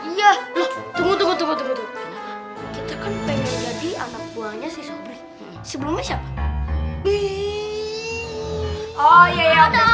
iya tunggu tunggu kita kan pengen jadi anak buahnya si sobri sebelumnya siapa